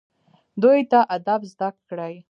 دوی ته ادب زده کړئ